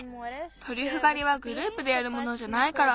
トリュフがりはグループでやるものじゃないから。